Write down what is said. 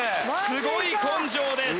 すごい根性です。